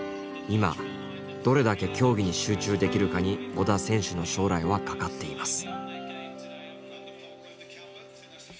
今どれだけ競技に集中できるかに織田選手の将来はかかっています。